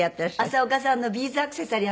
浅丘さんのビーズアクセサリー